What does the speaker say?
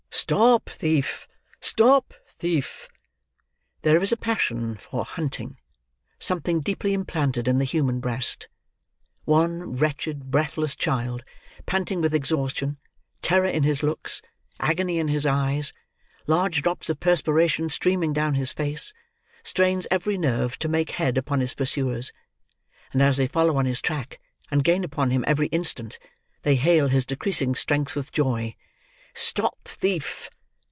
"Stop thief! Stop thief!" There is a passion FOR hunting something deeply implanted in the human breast. One wretched breathless child, panting with exhaustion; terror in his looks; agony in his eyes; large drops of perspiration streaming down his face; strains every nerve to make head upon his pursuers; and as they follow on his track, and gain upon him every instant, they hail his decreasing strength with joy. "Stop thief!"